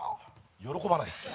喜ばないっす。